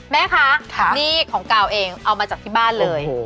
แม่คะหนี้ของกาวเองเอามาจากที่บ้านเลย